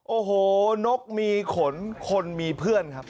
โอ้โหนกมีขนคนมีเพื่อนครับ